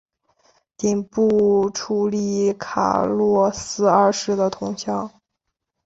顶部矗立卡洛斯二世的铜像。